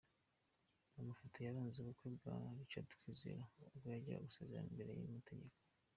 Amafoto yaranze ubukwe bwa Richard Kwizera ubwo yajyaga gusezerana imbere y'amategeko.